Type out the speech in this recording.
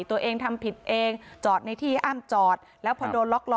ตัวเองทำผิดเองจอดในที่อ้ามจอดแล้วพอโดนล็อกล้อ